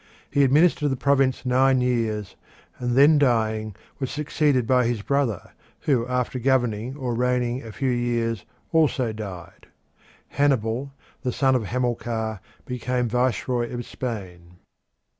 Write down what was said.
He administered the province nine years, and then dying, was succeeded by his brother, who, after governing or reigning a few years, also died. Hannibal, the son of Hamilcar, became Viceroy of Spain.